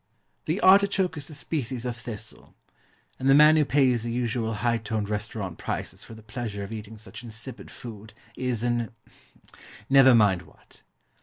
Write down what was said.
The ARTICHOKE is a species of thistle; and the man who pays the usual high toned restaurant prices for the pleasure of eating such insipid food, is an never mind what.